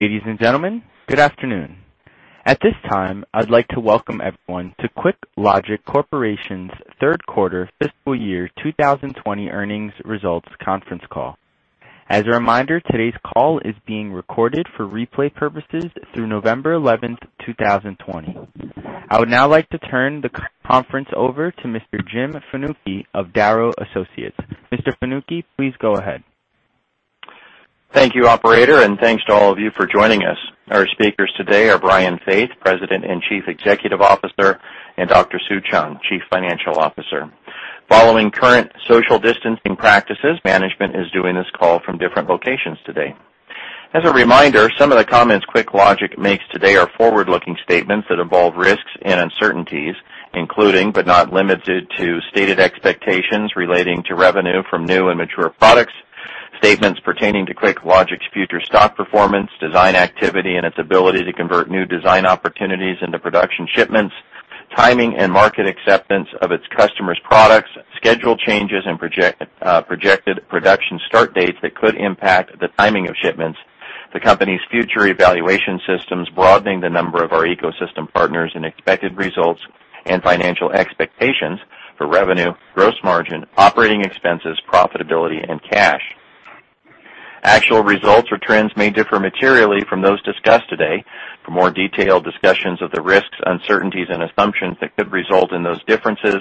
Ladies and gentlemen, good afternoon. At this time, I'd like to welcome everyone to QuickLogic Corporation's third quarter fiscal year 2020 earnings results conference call. As a reminder, today's call is being recorded for replay purposes through November 11th, 2020. I would now like to turn the conference over to Mr. Jim Fanucchi of Darrow Associates. Mr. Fanucchi, please go ahead. Thank you, operator, and thanks to all of you for joining us. Our speakers today are Brian Faith, President and Chief Executive Officer, and Dr. Sue Cheung, Chief Financial Officer. Following current social distancing practices, management is doing this call from different locations today. As a reminder, some of the comments QuickLogic makes today are forward-looking statements that involve risks and uncertainties, including but not limited to stated expectations relating to revenue from new and mature products, statements pertaining to QuickLogic's future stock performance, design activity, and its ability to convert new design opportunities into production shipments, timing and market acceptance of its customers' products, schedule changes, and projected production start dates that could impact the timing of shipments, the company's future evaluation systems, broadening the number of our ecosystem partners, and expected results and financial expectations for revenue, gross margin, operating expenses, profitability, and cash. Actual results or trends may differ materially from those discussed today. For more detailed discussions of the risks, uncertainties, and assumptions that could result in those differences,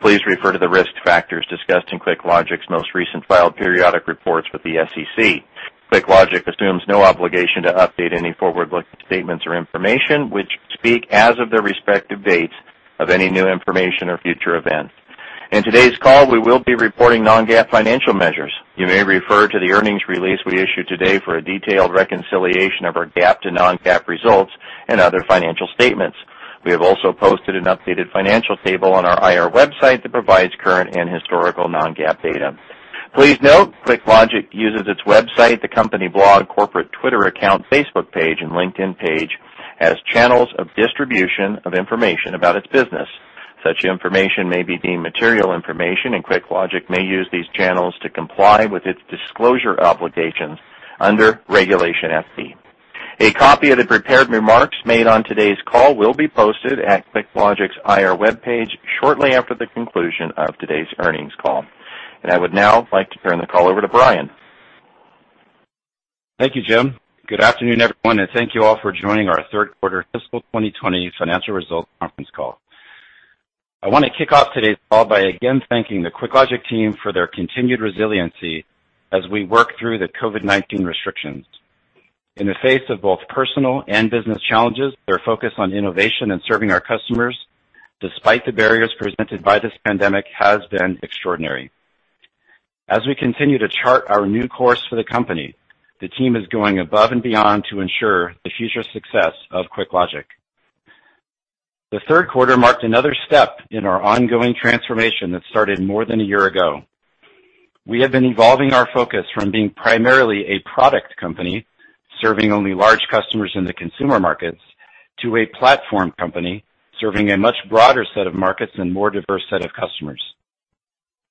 please refer to the risk factors discussed in QuickLogic's most recent filed periodic reports with the SEC. QuickLogic assumes no obligation to update any forward-looking statements or information, which speak as of their respective dates of any new information or future events. In today's call, we will be reporting non-GAAP financial measures. You may refer to the earnings release we issued today for a detailed reconciliation of our GAAP to non-GAAP results and other financial statements. We have also posted an updated financial table on our IR website that provides current and historical non-GAAP data. Please note, QuickLogic uses its website, the company blog, corporate Twitter account, Facebook page, and LinkedIn page as channels of distribution of information about its business. Such information may be deemed material information, QuickLogic may use these channels to comply with its disclosure obligations under Regulation FD. A copy of the prepared remarks made on today's call will be posted at QuickLogic's IR webpage shortly after the conclusion of today's earnings call. I would now like to turn the call over to Brian. Thank you, Jim. Good afternoon, everyone, thank you all for joining our third-quarter fiscal 2020 financial results conference call. I want to kick off today's call by again thanking the QuickLogic team for their continued resiliency as we work through the COVID-19 restrictions. In the face of both personal and business challenges, their focus on innovation and serving our customers despite the barriers presented by this pandemic has been extraordinary. As we continue to chart our new course for the company, the team is going above and beyond to ensure the future success of QuickLogic. The third quarter marked another step in our ongoing transformation that started more than a year ago. We have been evolving our focus from being primarily a product company, serving only large customers in the consumer markets, to a platform company, serving a much broader set of markets and more diverse set of customers.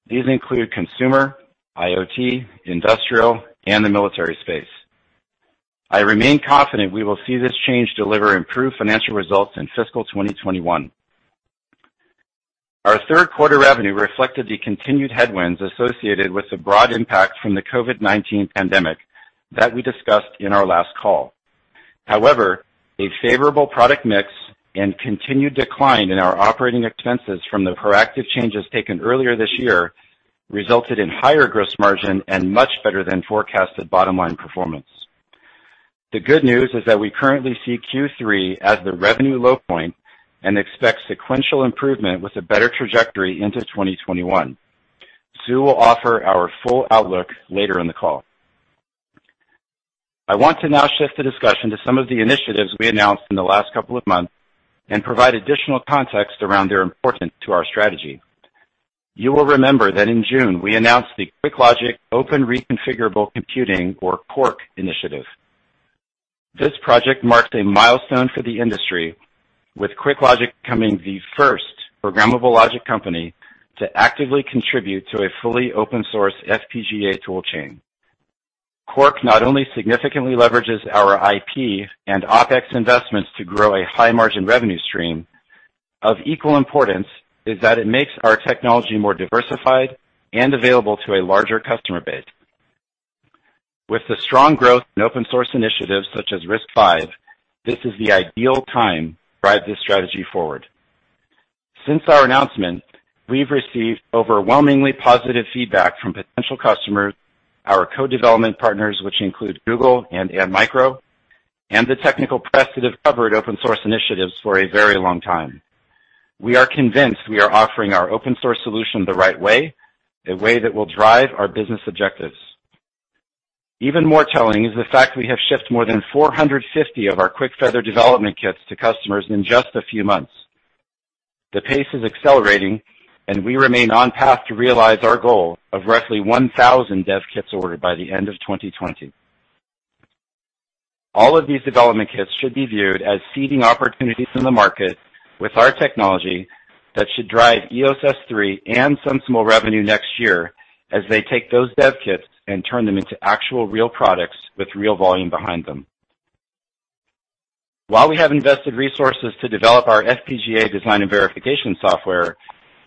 These include consumer, IoT, industrial, and the military space. I remain confident we will see this change deliver improved financial results in fiscal 2021. Our third quarter revenue reflected the continued headwinds associated with the broad impact from the COVID-19 pandemic that we discussed in our last call. A favorable product mix and continued decline in our operating expenses from the proactive changes taken earlier this year resulted in higher gross margin and much better than forecasted bottom-line performance. The good news is that we currently see Q3 as the revenue low point and expect sequential improvement with a better trajectory into 2021. Sue will offer our full outlook later in the call. I want to now shift the discussion to some of the initiatives we announced in the last couple of months and provide additional context around their importance to our strategy. You will remember that in June, we announced the QuickLogic Open Reconfigurable Computing, or QORC, initiative. This project marks a milestone for the industry, with QuickLogic becoming the first programmable logic company to actively contribute to a fully open-source FPGA tool chain. QORC not only significantly leverages our IP and OpEx investments to grow a high-margin revenue stream. Of equal importance is that it makes our technology more diversified and available to a larger customer base. With the strong growth in open-source initiatives such as RISC-V, this is the ideal time to drive this strategy forward. Since our announcement, we've received overwhelmingly positive feedback from potential customers, our co-development partners, which include Google and Antmicro, and the technical press that have covered open-source initiatives for a very long time. We are convinced we are offering our open-source solution the right way, a way that will drive our business objectives. Even more telling is the fact we have shipped more than 450 of our QuickFeather development kits to customers in just a few months. The pace is accelerating, and we remain on path to realize our goal of roughly 1,000 dev kits ordered by the end of 2020. All of these development kits should be viewed as seeding opportunities in the market with our technology. That should drive EOS S3 and SensiML revenue next year as they take those dev kits and turn them into actual real products with real volume behind them. While we have invested resources to develop our FPGA design and verification software,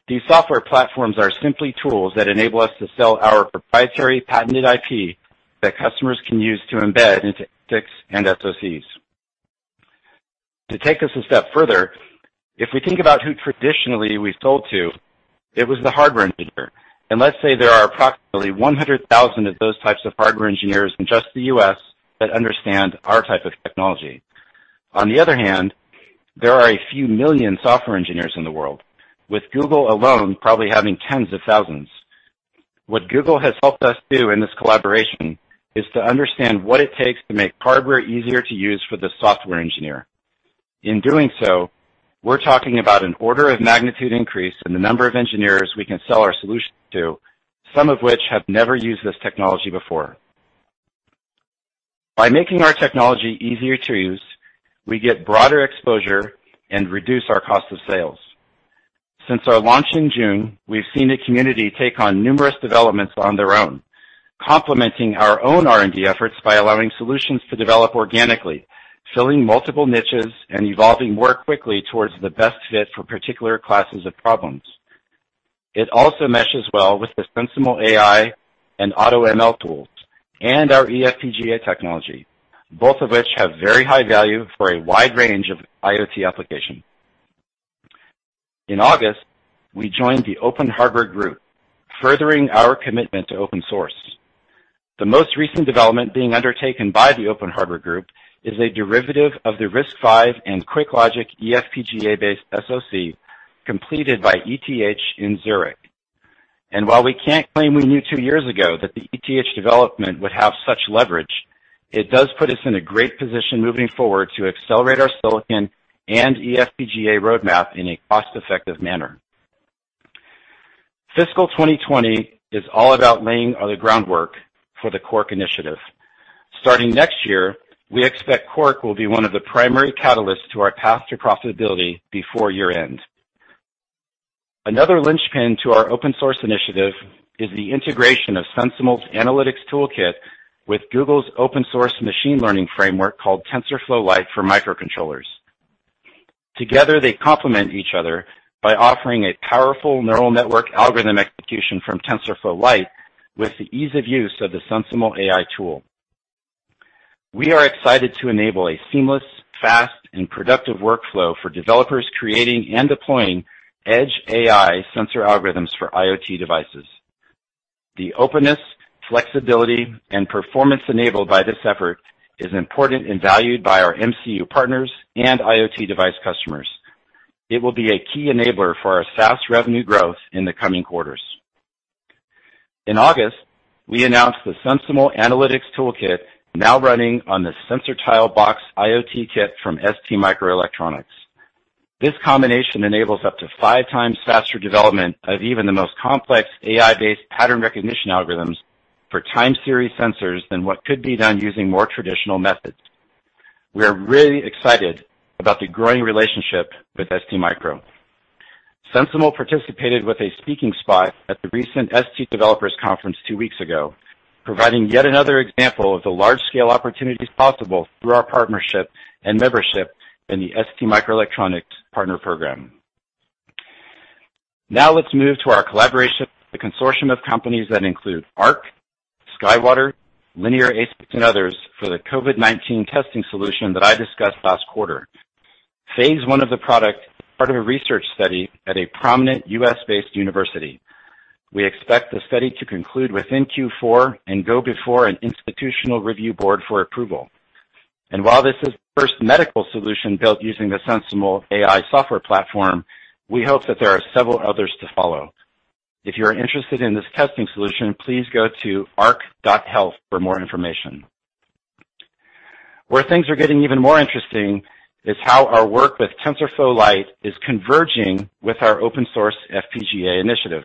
these software platforms are simply tools that enable us to sell our proprietary patented IP that customers can use to embed into ASICs and SoCs. To take this a step further, if we think about who traditionally we sold to, it was the hardware engineer. Let's say there are approximately 100,000 of those types of hardware engineers in just the U.S. that understand our type of technology. On the other hand, there are a few million software engineers in the world, with Google alone probably having tens of thousands. What Google has helped us do in this collaboration is to understand what it takes to make hardware easier to use for the software engineer. In doing so, we're talking about an order of magnitude increase in the number of engineers we can sell our solution to, some of which have never used this technology before. By making our technology easier to use, we get broader exposure and reduce our cost of sales. Since our launch in June, we've seen the community take on numerous developments on their own, complementing our own R&D efforts by allowing solutions to develop organically, filling multiple niches, and evolving more quickly towards the best fit for particular classes of problems. It also meshes well with the SensiML AI and AutoML tools and our eFPGA technology, both of which have very high value for a wide range of IoT applications. In August, we joined the OpenHW Group, furthering our commitment to open source. The most recent development being undertaken by the OpenHW Group is a derivative of the RISC-V and QuickLogic eFPGA-based SoC completed by ETH Zurich. While we can't claim we knew two years ago that the ETH development would have such leverage, it does put us in a great position moving forward to accelerate our silicon and eFPGA roadmap in a cost-effective manner. Fiscal 2020 is all about laying the groundwork for the QORC initiative. Starting next year, we expect QORC will be one of the primary catalysts to our path to profitability before year-end. Another linchpin to our open-source initiative is the integration of SensiML's Analytics Studio with Google's open-source machine learning framework called TensorFlow Lite for microcontrollers. Together, they complement each other by offering a powerful neural network algorithm execution from TensorFlow Lite with the ease of use of the SensiML AI tool. We are excited to enable a seamless, fast, and productive workflow for developers creating and deploying edge AI sensor algorithms for IoT devices. The openness, flexibility, and performance enabled by this effort is important and valued by our MCU partners and IoT device customers. It will be a key enabler for our fast revenue growth in the coming quarters. In August, we announced the SensiML analytics toolkit now running on the SensorTile.box IoT kit from STMicroelectronics. This combination enables up to five times faster development of even the most complex AI-based pattern recognition algorithms for time series sensors than what could be done using more traditional methods. We are really excited about the growing relationship with STMicro. SensiML participated with a speaking spot at the recent ST Developers Conference two weeks ago, providing yet another example of the large-scale opportunities possible through our partnership and membership in the STMicroelectronics Partner Program. Let's move to our collaboration with a consortium of companies that include Ark, SkyWater, Linear ASICs, and others for the COVID-19 testing solution that I discussed last quarter. Phase I of the product is part of a research study at a prominent U.S.-based university. We expect the study to conclude within Q4 and go before an institutional review board for approval. While this is the first medical solution built using the SensiML AI software platform, we hope that there are several others to follow. If you're interested in this testing solution, please go to ark.health for more information. Where things are getting even more interesting is how our work with TensorFlow Lite is converging with our open source FPGA initiative.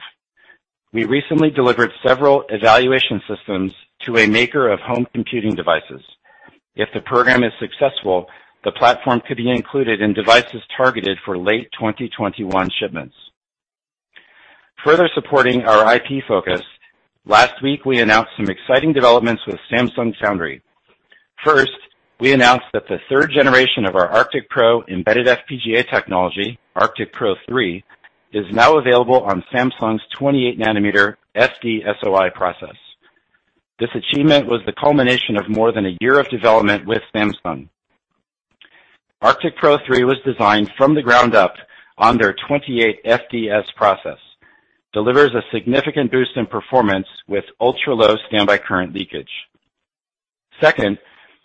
We recently delivered several evaluation systems to a maker of home computing devices. If the program is successful, the platform could be included in devices targeted for late 2021 shipments. Further supporting our IP focus, last week we announced some exciting developments with Samsung Foundry. First, we announced that the third generation of our ArcticPro embedded FPGA technology, ArcticPro 3, is now available on Samsung's 28-nanometer FD-SOI process. This achievement was the culmination of more than a year of development with Samsung. ArcticPro 3 was designed from the ground up on their 28FDS process, delivers a significant boost in performance with ultra-low standby current leakage. Second,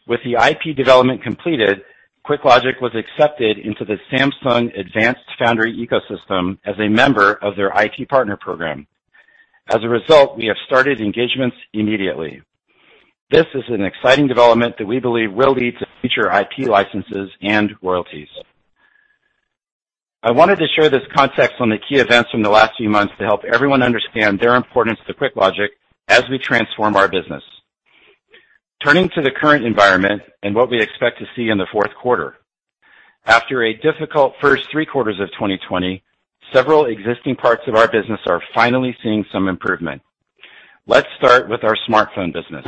with the IP development completed, QuickLogic was accepted into the Samsung Advanced Foundry ecosystem as a member of their IT partner program. As a result, we have started engagements immediately. This is an exciting development that we believe will lead to future IP licenses and royalties. I wanted to share this context on the key events from the last few months to help everyone understand their importance to QuickLogic as we transform our business. Turning to the current environment and what we expect to see in the fourth quarter. After a difficult first three quarters of 2020, several existing parts of our business are finally seeing some improvement. Let's start with our smartphone business.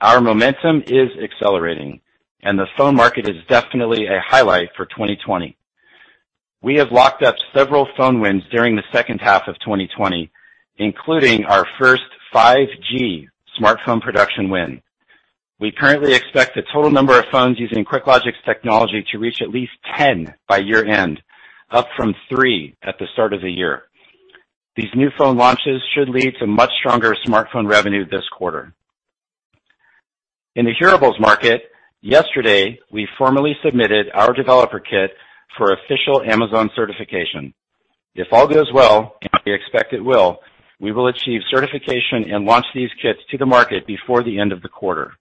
Our momentum is accelerating, and the phone market is definitely a highlight for 2020. We have locked up several phone wins during the second half of 2020, including our first 5G smartphone production win. We currently expect the total number of phones using QuickLogic's technology to reach at least 10 by year-end, up from three at the start of the year. These new phone launches should lead to much stronger smartphone revenue this quarter. In the hearables market, yesterday, we formally submitted our developer kit for official Amazon certification. If all goes well, and we expect it will, we will achieve certification and launch these kits to the market before the end of the quarter.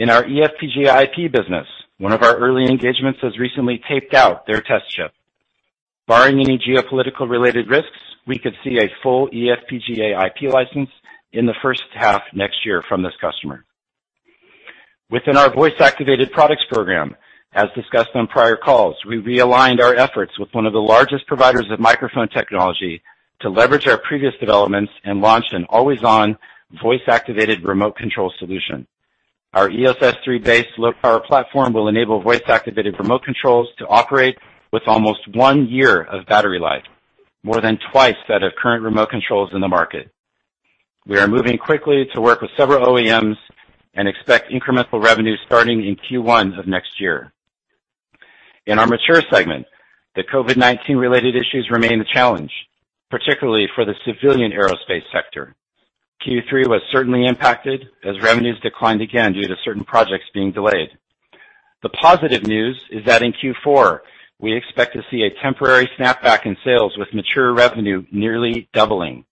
In our eFPGA IP business, one of our early engagements has recently taped out their test chip. Barring any geopolitical-related risks, we could see a full eFPGA IP license in the first half next year from this customer. Within our voice-activated products program, as discussed on prior calls, we realigned our efforts with one of the largest providers of microphone technology to leverage our previous developments and launch an always-on, voice-activated remote control solution. Our EOS S3-based low-power platform will enable voice-activated remote controls to operate with almost one year of battery life, more than twice that of current remote controls in the market. We are moving quickly to work with several OEMs and expect incremental revenue starting in Q1 of next year. In our mature segment, the COVID-19 related issues remain a challenge, particularly for the civilian aerospace sector. Q3 was certainly impacted as revenues declined again due to certain projects being delayed. The positive news is that in Q4, we expect to see a temporary snapback in sales with mature revenue nearly doubling.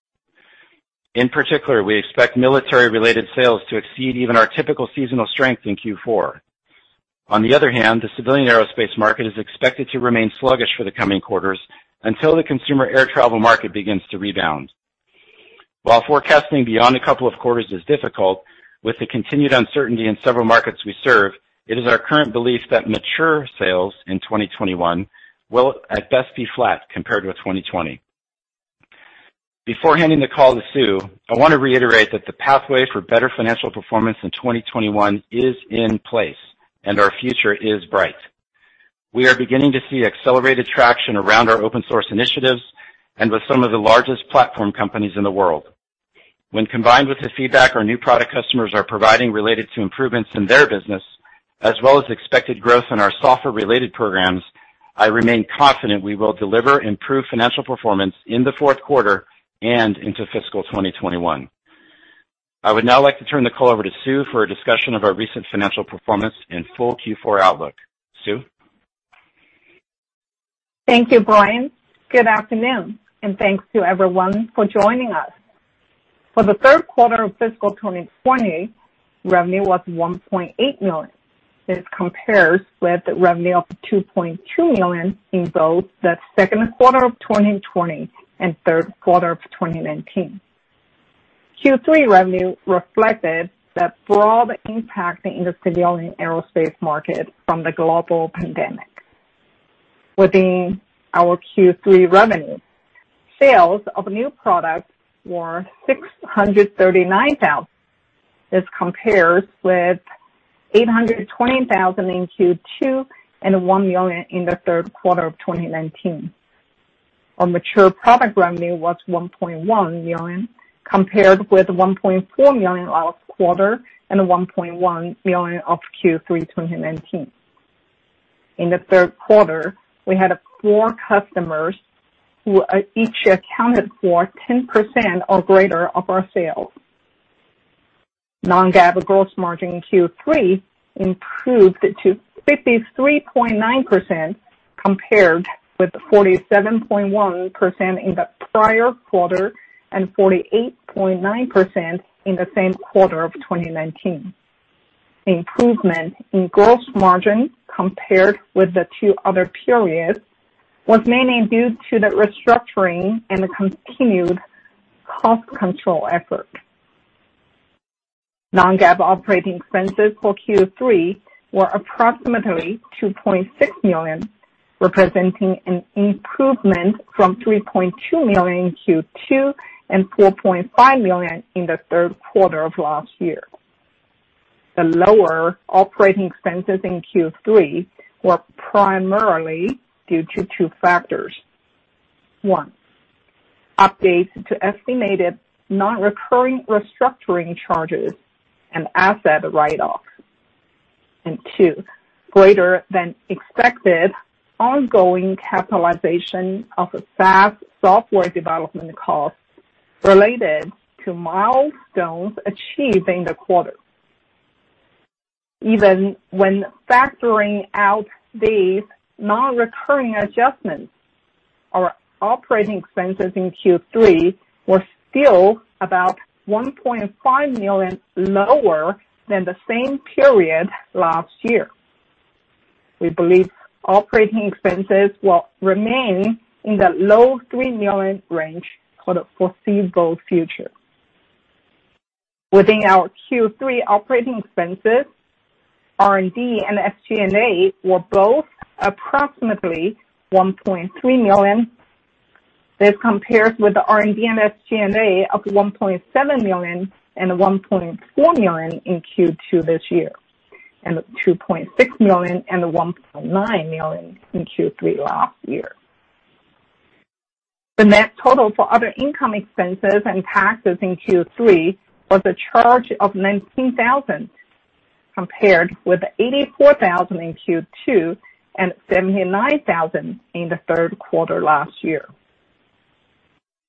In particular, we expect military-related sales to exceed even our typical seasonal strength in Q4. On the other hand, the civilian aerospace market is expected to remain sluggish for the coming quarters until the consumer air travel market begins to rebound. While forecasting beyond a couple of quarters is difficult, with the continued uncertainty in several markets we serve, it is our current belief that mature sales in 2021 will at best be flat compared to 2020. Before handing the call to Sue, I want to reiterate that the pathway for better financial performance in 2021 is in place and our future is bright. We are beginning to see accelerated traction around our open source initiatives and with some of the largest platform companies in the world. When combined with the feedback our new product customers are providing related to improvements in their business, as well as expected growth in our software-related programs, I remain confident we will deliver improved financial performance in the fourth quarter and into fiscal 2021. I would now like to turn the call over to Sue for a discussion of our recent financial performance and full Q4 outlook. Sue? Thank you, Brian. Good afternoon, and thanks to everyone for joining us. For the third quarter of fiscal 2020, revenue was $1.8 million. This compares with revenue of $2.2 million in both the second quarter of 2020 and third quarter of 2019. Q3 revenue reflected the broad impact in the civilian aerospace market from the global pandemic. Within our Q3 revenue, sales of new products were $639,000. This compares with $820,000 in Q2 and $1 million in the third quarter of 2019. Our mature product revenue was $1.1 million, compared with $1.4 million last quarter and $1.1 million of Q3 2019. In the third quarter, we had four customers who each accounted for 10% or greater of our sales. Non-GAAP gross margin in Q3 improved to 53.9%, compared with 47.1% in the prior quarter and 48.9% in the same quarter of 2019. Improvement in gross margin compared with the two other periods was mainly due to the restructuring and the continued cost control effort. Non-GAAP operating expenses for Q3 were approximately $2.6 million, representing an improvement from $3.2 million in Q2 and $4.5 million in the third quarter of last year. The lower operating expenses in Q3 were primarily due to two factors. One, updates to estimated non-recurring restructuring charges and asset write-offs. Two, greater than expected ongoing capitalization of SaaS software development costs related to milestones achieved in the quarter. Even when factoring out these non-recurring adjustments, our operating expenses in Q3 were still about $1.5 million lower than the same period last year. We believe operating expenses will remain in the low $3 million range for the foreseeable future. Within our Q3 operating expenses, R&D and SG&A were both approximately $1.3 million. This compares with the R&D and SG&A of $1.7 million and $1.4 million in Q2 this year, and the $2.6 million and the $1.9 million in Q3 last year. The net total for other income expenses and taxes in Q3 was a charge of $19,000, compared with $84,000 in Q2 and $79,000 in the third quarter last year.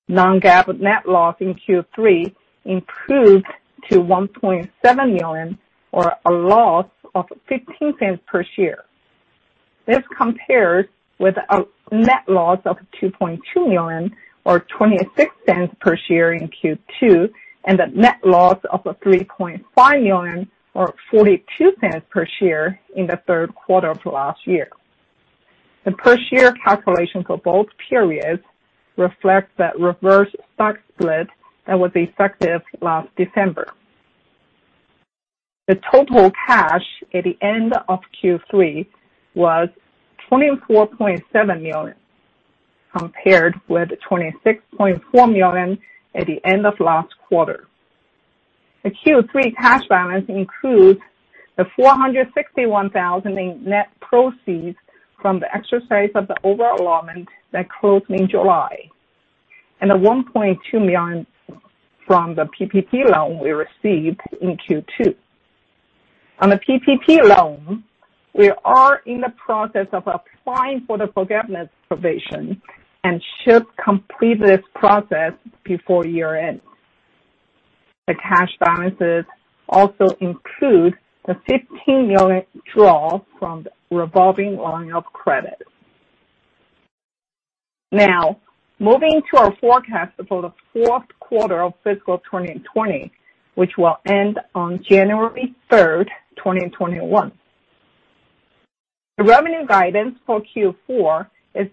Non-GAAP net loss in Q3 improved to $1.7 million or a loss of $0.15 per share. This compares with a net loss of $2.2 million or $0.26 per share in Q2, and a net loss of $3.5 million or $0.42 per share in the third quarter of last year. The per-share calculation for both periods reflect the reverse stock split that was effective last December. The total cash at the end of Q3 was $24.7 million, compared with $26.4 million at the end of last quarter. The Q3 cash balance includes the $461,000 in net proceeds from the exercise of the over-allotment that closed in July, and the $1.2 million from the PPP loan we received in Q2. On the PPP loan, we are in the process of applying for the forgiveness provision and should complete this process before year-end. The cash balances also include the $15 million draw from the revolving line of credit. Moving to our forecast for the fourth quarter of fiscal 2020, which will end on January 3rd, 2021. The revenue guidance for Q4 is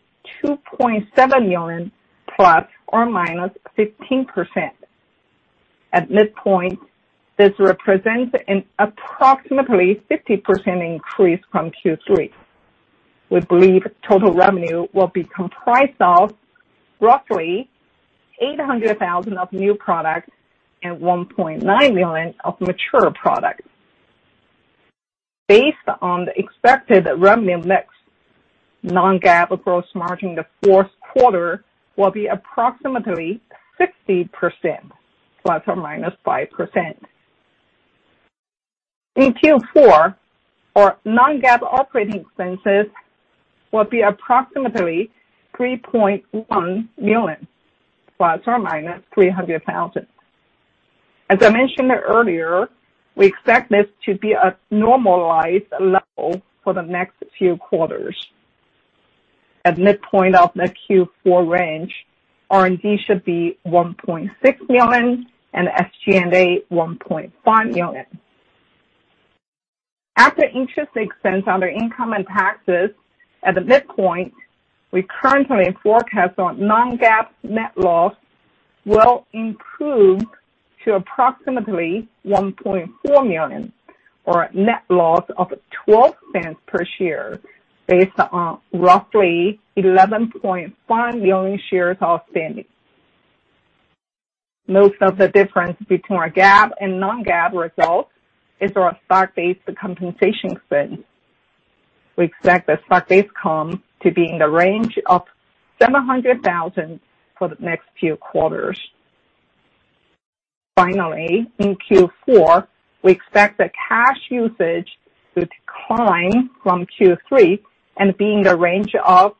$2.7 million ±15%. At midpoint, this represents an approximately 50% increase from Q3. We believe total revenue will be comprised of roughly $800,000 of new products and $1.9 million of mature products. Based on the expected revenue mix, non-GAAP gross margin in the fourth quarter will be approximately 60% ±5%. In Q4, our non-GAAP operating expenses will be approximately $3.1 million, ±$300,000. As I mentioned earlier, we expect this to be a normalized level for the next few quarters. At midpoint of the Q4 range, R&D should be $1.6 million and SG&A $1.5 million. After interest expense under income and taxes at the midpoint, we currently forecast our non-GAAP net loss will improve to approximately $1.4 million or a net loss of $0.12 per share based on roughly 11.5 million shares outstanding. Most of the difference between our GAAP and non-GAAP results is our stock-based compensation expense. We expect the stock-based comp to be in the range of $700,000 for the next few quarters. In Q4, we expect the cash usage to decline from Q3 and be in the range of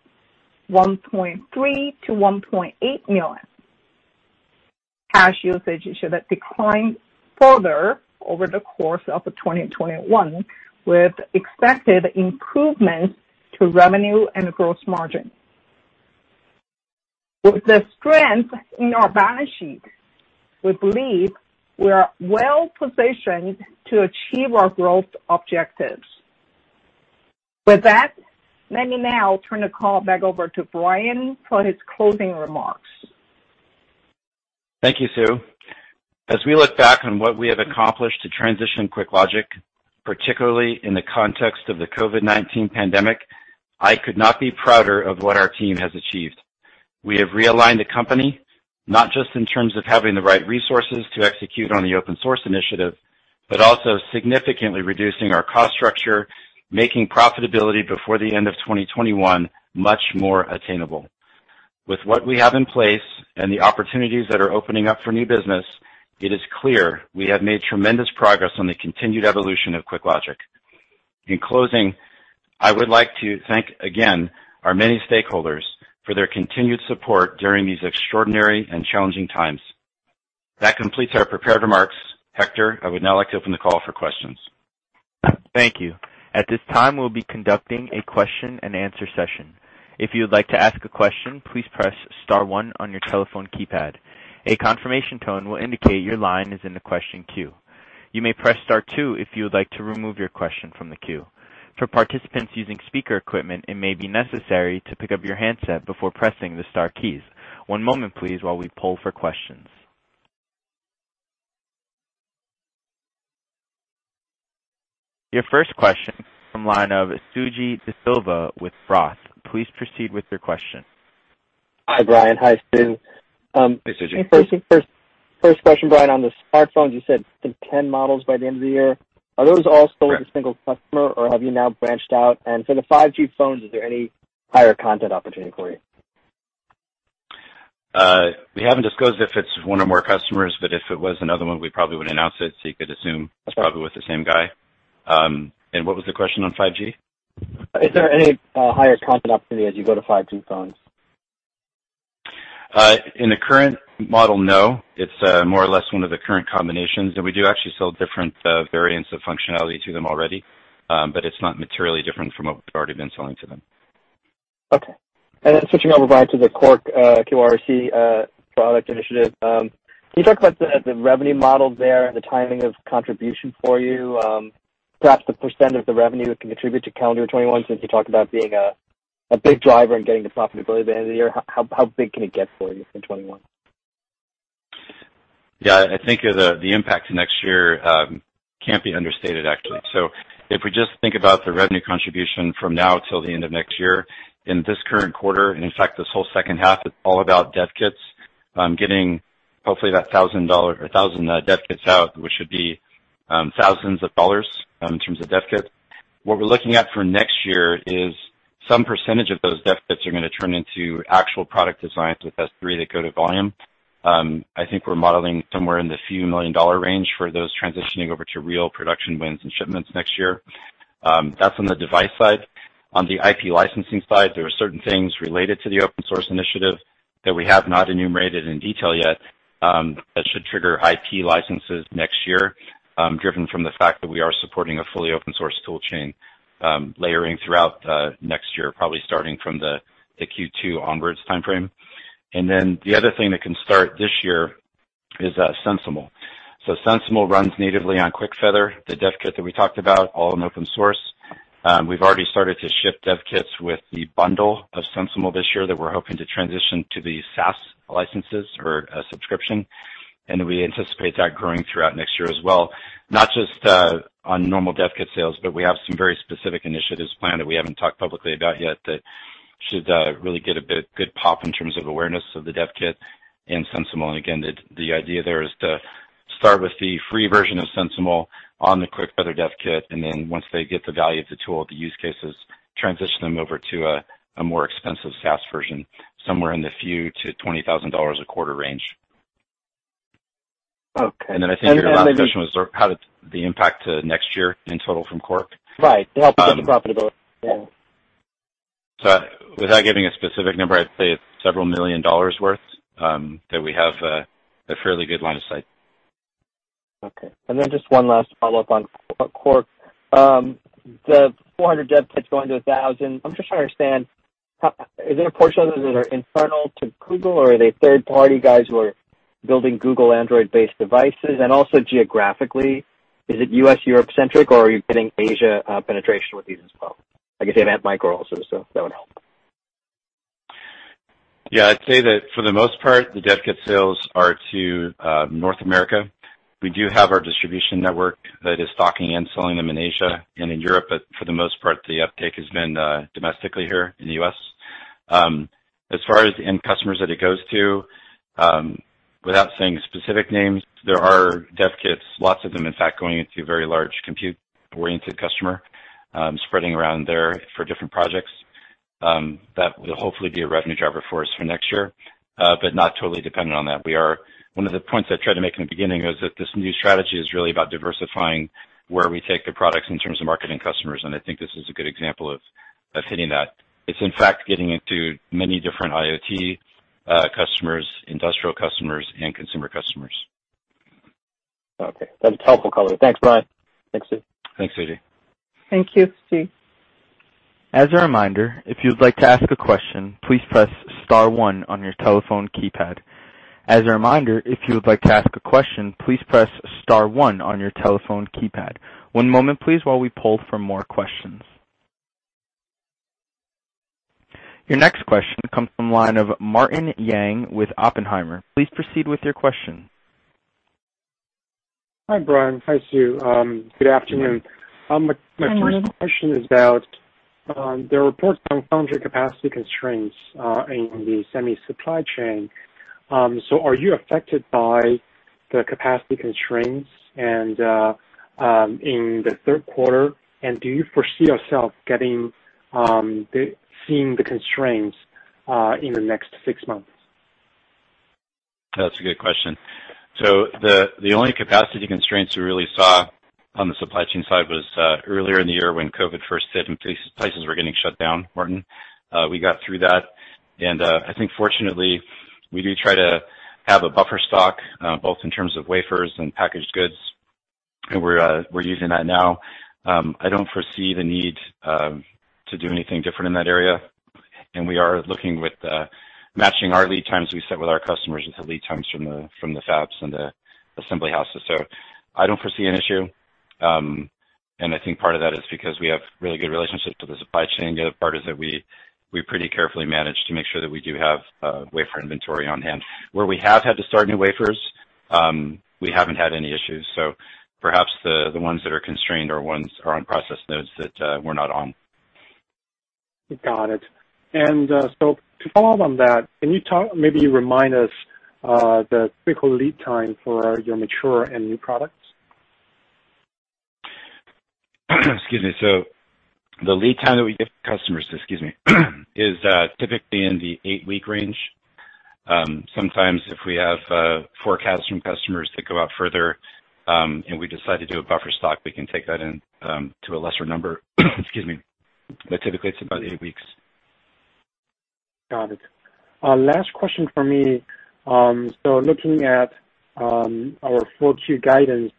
$1.3 million-$1.8 million. Cash usage should decline further over the course of 2021, with expected improvements to revenue and gross margin. With the strength in our balance sheet, we believe we are well-positioned to achieve our growth objectives. With that, let me now turn the call back over to Brian for his closing remarks. Thank you, Sue. As we look back on what we have accomplished to transition QuickLogic, particularly in the context of the COVID-19 pandemic, I could not be prouder of what our team has achieved. We have realigned the company, not just in terms of having the right resources to execute on the open-source initiative, but also significantly reducing our cost structure, making profitability before the end of 2021 much more attainable. With what we have in place and the opportunities that are opening up for new business, it is clear we have made tremendous progress on the continued evolution of QuickLogic. In closing, I would like to thank again our many stakeholders for their continued support during these extraordinary and challenging times. That completes our prepared remarks. Hector, I would now like to open the call for questions. Thank you. At this time, we'll be conducting a question and answer session. If you'd like to ask a question, please press star one on your telephone keypad. A confirmation tone will indicate your line is in the question queue. You may press star two if you would like to remove your question from the queue. For participants using speaker equipment, it may be necessary to pick up your handset before pressing the star keys. One moment please while we poll for questions. Your first question from line of Suji Desilva with Roth. Please proceed with your question. Hi, Brian, hi, Sue. Hi, Suji. First question, Brian, on the smartphones, you said I think 10 models by the end of the year. Are those all sold to a single customer or have you now branched out? For the 5G phones, is there any higher content opportunity for you? We haven't disclosed if it's one or more customers. If it was another one, we probably would announce it. You could assume it's probably with the same guy. What was the question on 5G? Is there any higher content opportunity as you go to 5G phones? In the current model, no. It's more or less one of the current combinations, and we do actually sell different variants of functionality to them already. It's not materially different from what we've already been selling to them. Okay. Switching over, Brian to the QORC, QRC product initiative. Can you talk about the revenue model there and the timing of contribution for you? Perhaps the % of the revenue it can contribute to calendar 2021, since you talked about being a big driver in getting to profitability by the end of the year. How big can it get for you in 2021? Yeah, I think the impact to next year can't be understated, actually. If we just think about the revenue contribution from now until the end of next year, in this current quarter, and in fact this whole second half, it's all about dev kits, getting hopefully that 1,000 dev kits out, which should be thousands of dollars in terms of dev kits. What we're looking at for next year is some percentage of those dev kits are going to turn into actual product designs with S3 that go to volume. I think we're modeling somewhere in the few million dollar range for those transitioning over to real production wins and shipments next year. That's on the device side. On the IP licensing side, there are certain things related to the open source initiative that we have not enumerated in detail yet that should trigger IP licenses next year, driven from the fact that we are supporting a fully open-source tool chain layering throughout next year, probably starting from the Q2 onwards timeframe. The other thing that can start this year is SensiML. SensiML runs natively on QuickFeather, the dev kit that we talked about, all in open source. We've already started to ship dev kits with the bundle of SensiML this year that we're hoping to transition to the SaaS licenses or a subscription, and we anticipate that growing throughout next year as well, not just on normal dev kit sales, but we have some very specific initiatives planned that we haven't talked publicly about yet that should really get a good pop in terms of awareness of the dev kit and SensiML. The idea there is to start with the free version of SensiML on the QuickFeather dev kit, and then once they get the value of the tool, the use cases, transition them over to a more expensive SaaS version, somewhere in the few to $20,000 a quarter range. Okay. I think your last question was how did the impact to next year in total from QORC? Right. The output to profitability. Yeah. Without giving a specific number, I'd say it's several million dollars' worth that we have a fairly good line of sight. Okay. Just one last follow-up on QORC. The 400 dev kits going to 1,000. I'm just trying to understand, is there a portion of those that are internal to Google or are they third-party guys who are building Google Android-based devices? Also geographically, is it U.S., Europe-centric, or are you getting Asia penetration with these as well? I guess they have Antmicro also, so that would help. Yeah. I'd say that for the most part, the dev kit sales are to North America. We do have our distribution network that is stocking and selling them in Asia and in Europe, but for the most part, the uptake has been domestically here in the U.S. As far as end customers that it goes to, without saying specific names, there are dev kits, lots of them, in fact, going into a very large compute-oriented customer, spreading around there for different projects. That will hopefully be a revenue driver for us for next year, but not totally dependent on that. One of the points I tried to make in the beginning is that this new strategy is really about diversifying where we take the products in terms of marketing customers, and I think this is a good example of hitting that. It's in fact getting into many different IoT customers, industrial customers, and consumer customers. Okay, that's helpful color. Thanks, Brian, thanks, Sue. Thanks, Suji. Thank you, Suji. As a reminder, if you would like to ask a question, please press star one on your telephone keypad. One moment, please, while we poll for more questions. Your next question comes from line of Martin Yang with Oppenheimer. Please proceed with your question. Hi, Brian, hi, Sue. Good afternoon. Good morning. My first question is about the reports on foundry capacity constraints in the semi supply chain. Are you affected by the capacity constraints and in the third quarter, and do you foresee yourself seeing the constraints in the next six months? That's a good question. The only capacity constraints we really saw on the supply chain side was earlier in the year when COVID first hit and places were getting shut down, Martin. We got through that, and I think fortunately, we do try to have a buffer stock, both in terms of wafers and packaged goods, and we're using that now. I don't foresee the need to do anything different in that area. We are looking with matching our lead times we set with our customers with the lead times from the fabs and the assembly houses. I don't foresee an issue, and I think part of that is because we have really good relationships with the supply chain. The other part is that we pretty carefully manage to make sure that we do have a wafer inventory on hand. Where we have had to start new wafers, we haven't had any issues. Perhaps the ones that are constrained are on process nodes that we're not on. Got it. To follow up on that, can you maybe remind us the typical lead time for your mature and new products? Excuse me. The lead time that we give customers is typically in the eight-week range. Sometimes if we have forecasts from customers that go out further, and we decide to do a buffer stock, we can take that in to a lesser number. Excuse me. Typically it's about eight weeks. Got it. Last question from me. Looking at our full Q guidance,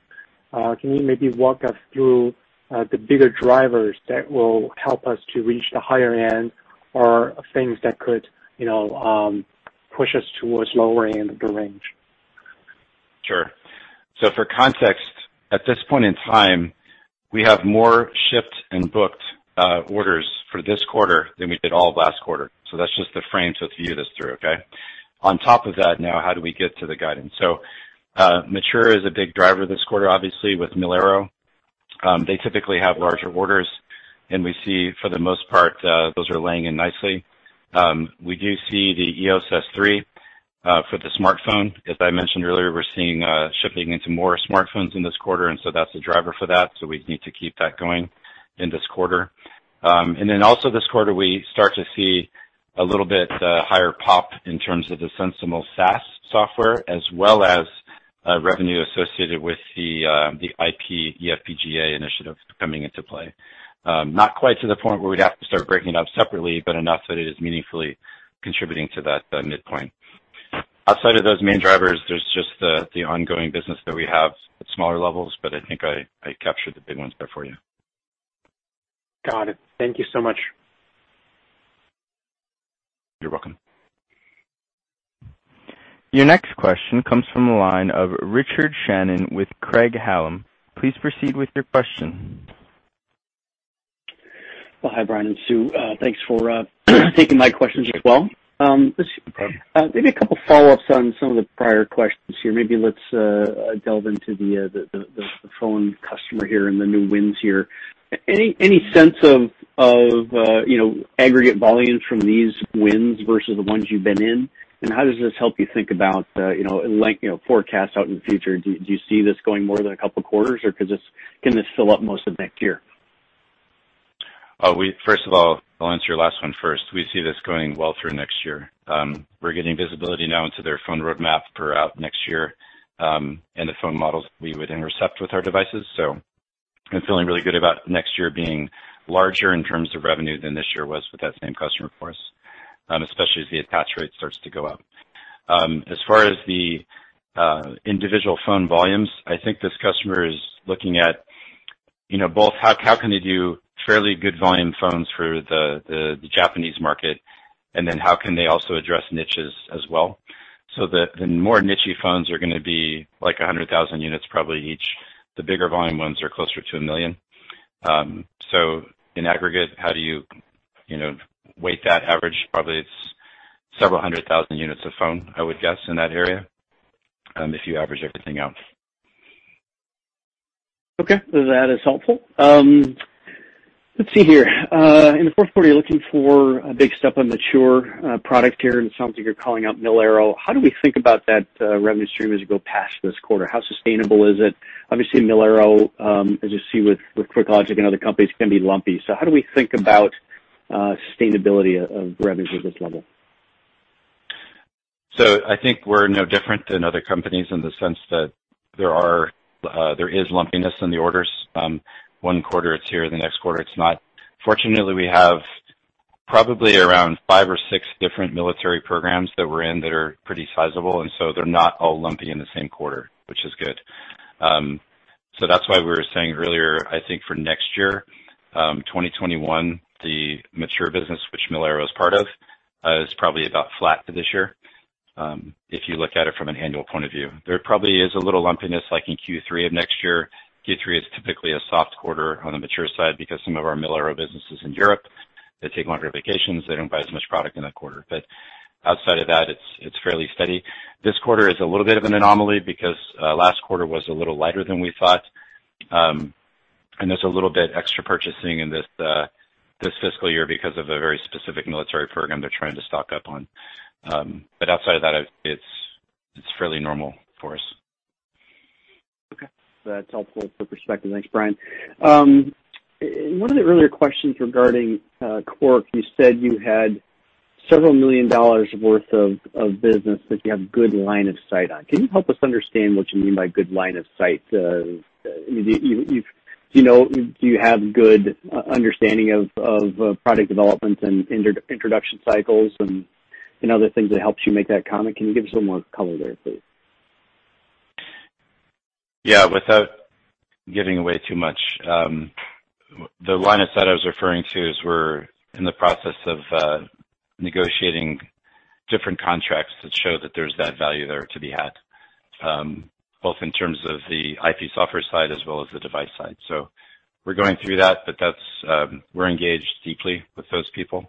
can you maybe walk us through the bigger drivers that will help us to reach the higher end or things that could push us towards lower end of the range? Sure. For context, at this point in time, we have more shipped and booked orders for this quarter than we did all of last quarter. That's just the frame to view this through, okay? On top of that now, how do we get to the guidance? Material is a big driver this quarter, obviously, with MilAero. They typically have larger orders, and we see, for the most part, those are laying in nicely. We do see the EOS S3 for the smartphone. As I mentioned earlier, we're seeing shipping into more smartphones in this quarter, and so that's a driver for that. We need to keep that going in this quarter. Also this quarter, we start to see a little bit higher pop in terms of the SensiML SaaS software, as well as revenue associated with the IP eFPGA initiative coming into play. Not quite to the point where we'd have to start breaking it up separately, but enough that it is meaningfully contributing to that midpoint. Outside of those main drivers, there's just the ongoing business that we have at smaller levels. I think I captured the big ones there for you. Got it. Thank you so much. You're welcome. Your next question comes from the line of Richard Shannon with Craig-Hallum. Please proceed with your question. Well, hi, Brian and Sue. Thanks for taking my questions as well. No problem. Maybe a couple of follow-ups on some of the prior questions here. Maybe let's delve into the phone customer here and the new wins here. Any sense of aggregate volumes from these wins versus the ones you've been in? How does this help you think about forecast out in the future? Do you see this going more than a couple of quarters, or can this fill up most of next year? First of all, I'll answer your last one first. We see this going well through next year. We're getting visibility now into their phone roadmap for out next year, and the phone models we would intercept with our devices, so I'm feeling really good about next year being larger in terms of revenue than this year was with that same customer for us, especially as the attach rate starts to go up. As far as the individual phone volumes, I think this customer is looking at both how can they do fairly good volume phones for the Japanese market, how can they also address niches as well? The more niche-y phones are going to be like 100,000 units probably each. The bigger volume ones are closer to a million. In aggregate, how do you weight that average? Probably it's several hundred thousand units of phone, I would guess, in that area, if you average everything out. Okay, that is helpful. Let's see here. In the fourth quarter, you're looking for a big step on mature product here, and it sounds like you're calling out MilAero. How do we think about that revenue stream as you go past this quarter? How sustainable is it? Obviously, MilAero, as you see with QuickLogic and other companies, can be lumpy. How do we think about sustainability of revenue at this level? I think we're no different than other companies in the sense that there is lumpiness in the orders. One quarter it's here, the next quarter it's not. Fortunately, we have probably around five or six different military programs that we're in that are pretty sizable, and so they're not all lumpy in the same quarter, which is good. That's why we were saying earlier, I think for next year, 2021, the mature business, which MilAero is part of, is probably about flat for this year if you look at it from an annual point of view. There probably is a little lumpiness in Q3 of next year. Q3 is typically a soft quarter on the mature side because some of our MilAero business is in Europe. They take longer vacations. They don't buy as much product in that quarter. Outside of that, it's fairly steady. This quarter is a little bit of an anomaly because last quarter was a little lighter than we thought. There's a little bit extra purchasing in this fiscal year because of a very specific military program they're trying to stock up on. Outside of that, it's fairly normal for us. Okay, that's helpful for perspective. Thanks, Brian. In one of the earlier questions regarding QORC, you said you had several million dollars worth of business that you have good line of sight on. Can you help us understand what you mean by good line of sight? Do you have good understanding of product development and introduction cycles and other things that helps you make that comment? Can you give us some more color there, please? Yeah, without giving away too much, the line I said I was referring to is we're in the process of negotiating different contracts that show that there's that value there to be had, both in terms of the IP software side as well as the device side. We're going through that, but we're engaged deeply with those people,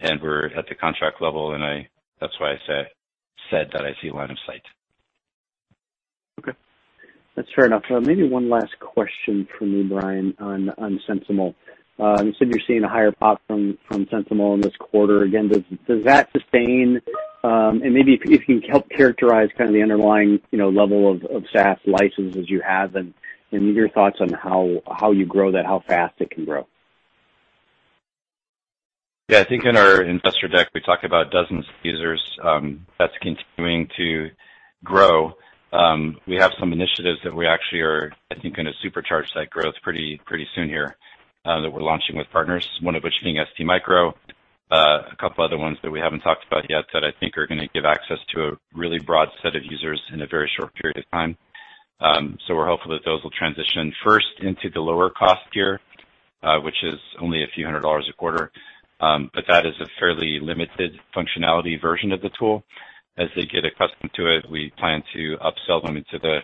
and we're at the contract level, and that's why I said that I see line of sight. Okay, that's fair enough. Maybe one last question from me, Brian, on SensiML. You said you're seeing a higher pop from SensiML in this quarter. Again, does that sustain? Maybe if you can help characterize kind of the underlying level of SaaS licenses you have, and your thoughts on how you grow that, how fast it can grow. Yeah, I think in our investor deck, we talk about dozens of users. That's continuing to grow. We have some initiatives that we actually are, I think, going to supercharge that growth pretty soon here, that we're launching with partners, one of which being STMicroelectronics. A couple other ones that we haven't talked about yet that I think are going to give access to a really broad set of users in a very short period of time. We're hopeful that those will transition first into the lower cost tier, which is only few hundred dollars a quarter. That is a fairly limited functionality version of the tool. As they get accustomed to it, we plan to upsell them into the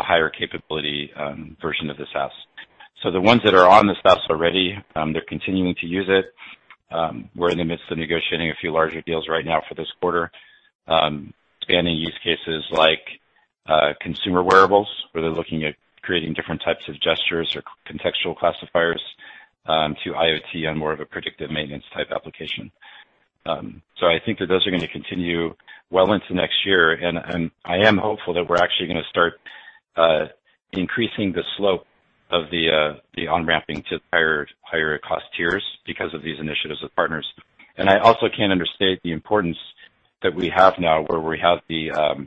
higher capability version of the SaaS. The ones that are on the SaaS already, they're continuing to use it. We're in the midst of negotiating a few larger deals right now for this quarter, spanning use cases like consumer wearables, where they're looking at creating different types of gestures or contextual classifiers to IoT on more of a predictive maintenance type application. I think that those are going to continue well into next year, and I am hopeful that we're actually going to start increasing the slope of the on-ramping to higher cost tiers because of these initiatives with partners. I also can't understate the importance that we have now where we have the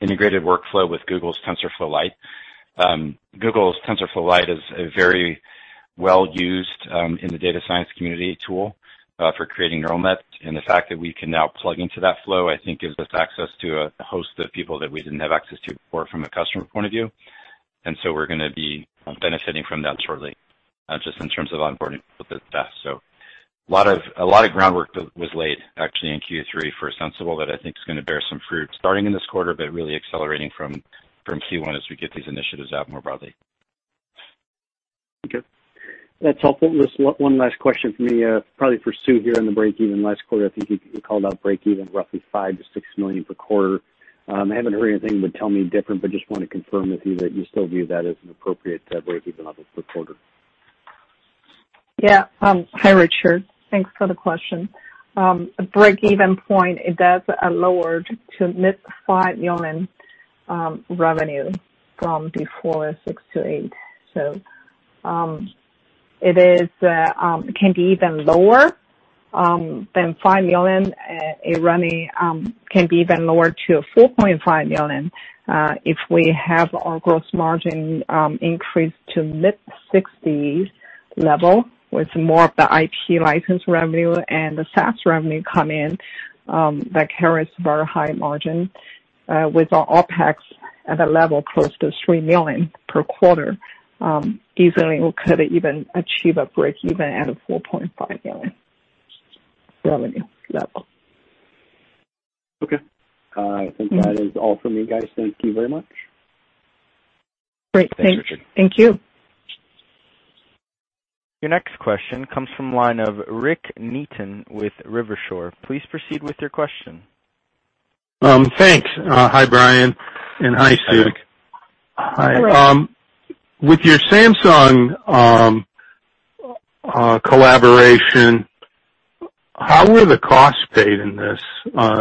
integrated workflow with Google's TensorFlow Lite. Google's TensorFlow Lite is a very well-used, in the data science community, tool for creating neural net. The fact that we can now plug into that flow, I think gives us access to a host of people that we didn't have access to before from a customer point of view. We're going to be benefiting from that shortly, just in terms of onboarding with the staff. A lot of groundwork that was laid actually in Q3 for SensiML that I think is going to bear some fruit starting in this quarter, but really accelerating from Q1 as we get these initiatives out more broadly. Okay, that's helpful. Just one last question from me, probably for Sue here on the breakeven. Last quarter, I think you called out breakeven roughly $5 million-$6 million per quarter. I haven't heard anything that would tell me different, but just want to confirm with you that you still view that as an appropriate breakeven level per quarter. Yeah. Hi, Richard, thanks for the question. Breakeven point, it does lower to mid $5 million revenue from before $6 million-$8 million. It can be even lower than $5 million, can be even lower to $4.5 million if we have our gross margin increase to mid-60s level with more of the IP license revenue and the SaaS revenue come in that carries very high margin with our OpEx at a level close to $3 million per quarter, easily we could even achieve a breakeven at a $4.5 million revenue level. Okay. I think that is all from me, guys. Thank you very much. Great. Thanks. Thanks, Richard. Thank you. Your next question comes from the line of Rick Neaton with Rivershore. Please proceed with your question. Thanks. Hi, Brian, and hi, Sue. Hi, Rick. With your Samsung collaboration, how were the costs paid in this?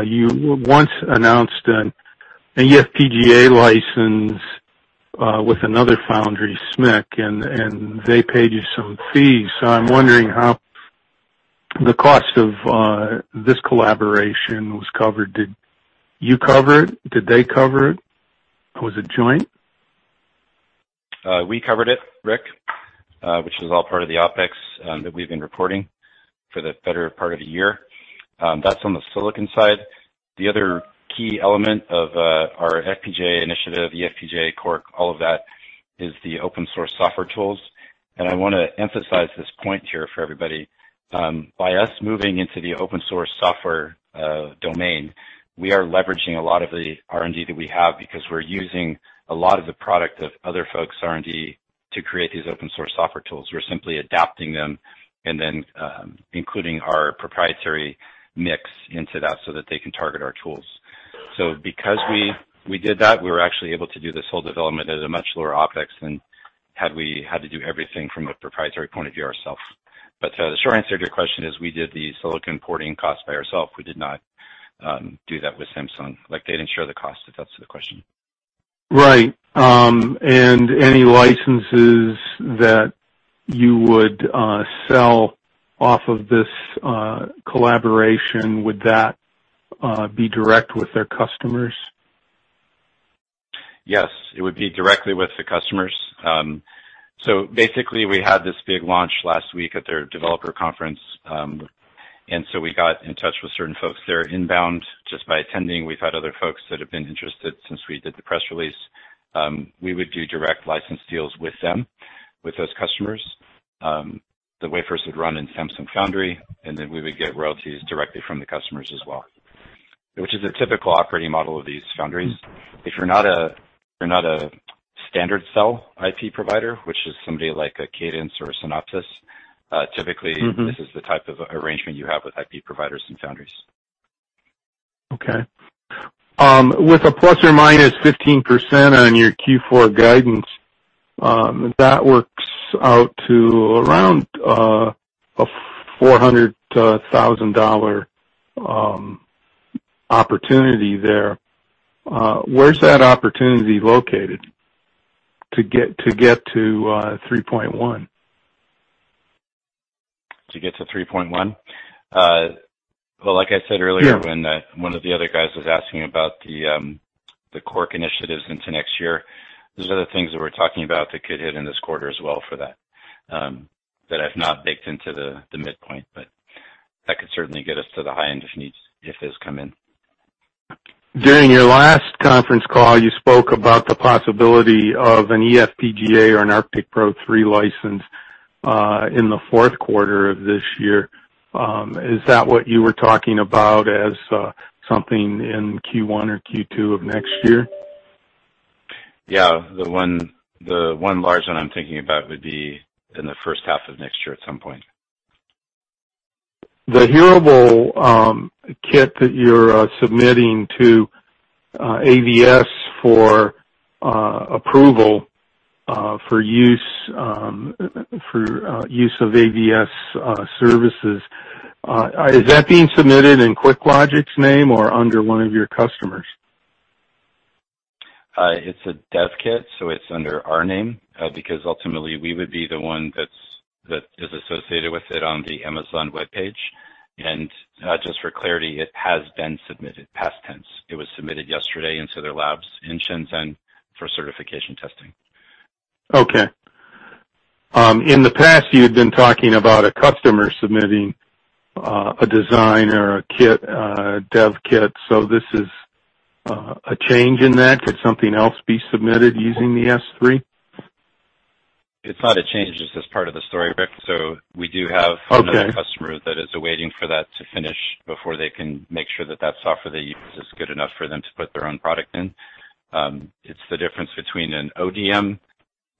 You once announced an eFPGA license with another foundry, SMIC, and they paid you some fees. I'm wondering how the cost of this collaboration was covered. Did you cover it? Did they cover it? Was it joint? We covered it, Rick, which is all part of the OpEx that we've been reporting for the better part of the year. That's on the silicon side. The other key element of our FPGA initiative, eFPGA, QORC, all of that, is the open source software tools. I want to emphasize this point here for everybody. By us moving into the open source software domain, we are leveraging a lot of the R&D that we have because we're using a lot of the product of other folks' R&D to create these open source software tools. We're simply adapting them and then including our proprietary mix into that so that they can target our tools. Because we did that, we were actually able to do this whole development at a much lower OpEx than had we had to do everything from a proprietary point of view ourself. The short answer to your question is we did the silicon porting cost by ourself, we did not do that with Samsung. They didn't share the cost, if that's the question. Right. Any licenses that you would sell off of this collaboration, would that be direct with their customers? Yes, it would be directly with the customers. We had this big launch last week at their developer conference. We got in touch with certain folks there inbound just by attending. We've had other folks that have been interested since we did the press release. We would do direct license deals with them, with those customers. The wafers would run in Samsung Foundry. We would get royalties directly from the customers as well, which is a typical operating model of these foundries. If you're not a standard cell IP provider, which is somebody like a Cadence or a Synopsys. This is the type of arrangement you have with IP providers and foundries. Okay. With a ±15% on your Q4 guidance, that works out to around a $400,000 opportunity there. Where's that opportunity located to get to 3.1? To get to 3.1? Well, like I said earlier. Yeah When one of the other guys was asking about the QORC initiatives into next year, those are the things that we're talking about that could hit in this quarter as well for that I've not baked into the midpoint. That could certainly get us to the high end if these come in. During your last conference call, you spoke about the possibility of an eFPGA or an ArcticPro 3 license in the fourth quarter of this year. Is that what you were talking about as something in Q1 or Q2 of next year? Yeah. The one large one I'm thinking about would be in the first half of next year at some point. The hearable kit that you're submitting to AWS for approval for use of AWS services, is that being submitted in QuickLogic's name or under one of your customers? It's a dev kit, so it's under our name. Ultimately we would be the one that is associated with it on the Amazon webpage. Just for clarity, it has been submitted, past tense. It was submitted yesterday into their labs in Shenzhen for certification testing. Okay. In the past, you've been talking about a customer submitting a design or a dev kit. This is a change in that? Could something else be submitted using the S3? It's not a change, it's just part of the story, Rick. We do have. Okay Another customer that is waiting for that to finish before they can make sure that that software they use is good enough for them to put their own product in.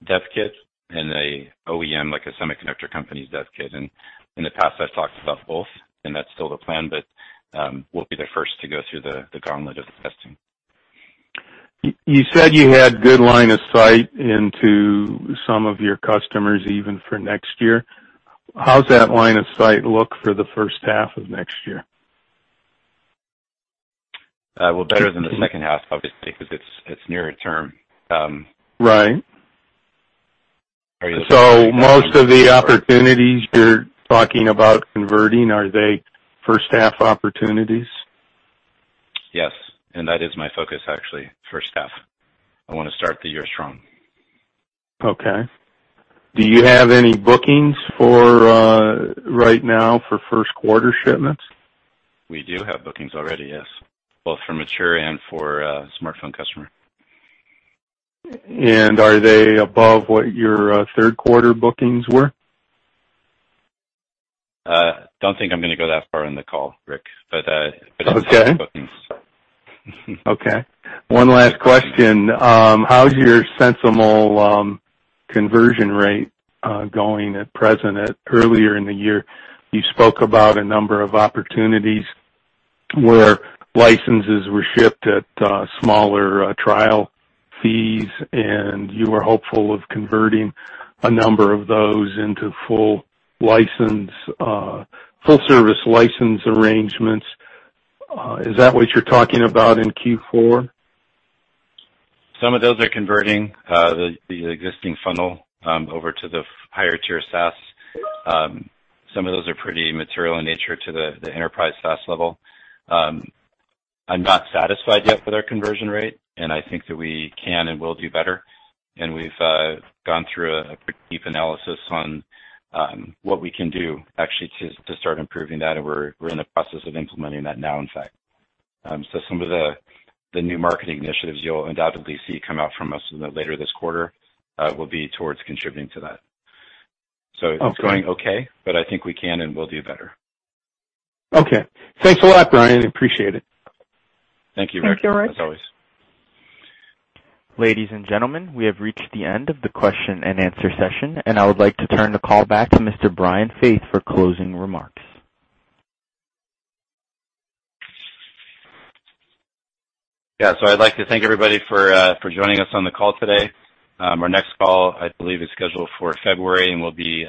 It's the difference between an ODM dev kit and an OEM, like a semiconductor company's dev kit. In the past, I've talked about both, and that's still the plan. We'll be the first to go through the gauntlet of the testing. You said you had good line of sight into some of your customers, even for next year. How's that line of sight look for the first half of next year? Well, better than the second half, obviously, because it's nearer term. Right. Most of the opportunities you're talking about converting, are they first half opportunities? Yes, that is my focus, actually, first half. I want to start the year strong. Okay. Do you have any bookings right now for first quarter shipments? We do have bookings already, yes. Both for mature and for smartphone customer. Are they above what your third quarter bookings were? Don't think I'm gonna go that far in the call, Rick. Okay bookings. Okay. One last question. How's your SensiML conversion rate going at present? Earlier in the year, you spoke about a number of opportunities where licenses were shipped at smaller trial fees. You were hopeful of converting a number of those into full service license arrangements. Is that what you're talking about in Q4? Some of those are converting, the existing funnel over to the higher tier SaaS. Some of those are pretty material in nature to the enterprise SaaS level. I'm not satisfied yet with our conversion rate, and I think that we can and will do better. We've gone through a pretty deep analysis on what we can do actually to start improving that, and we're in the process of implementing that now, in fact. Some of the new marketing initiatives you'll undoubtedly see come out from us later this quarter will be towards contributing to that. Okay. It's going okay, but I think we can and will do better. Okay. Thanks a lot, Brian, appreciate it. Thank you, Rick. Thank you, Rick as always. Ladies and gentlemen, we have reached the end of the question and answer session. I would like to turn the call back to Mr. Brian Faith for closing remarks. I'd like to thank everybody for joining us on the call today. Our next call, I believe, is scheduled for February, and we'll be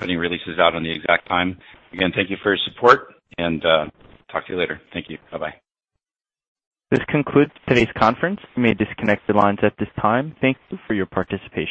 putting releases out on the exact time. Again, thank you for your support and talk to you later. Thank you. Bye-bye. This concludes today's conference. You may disconnect the lines at this time. Thank you for your participation.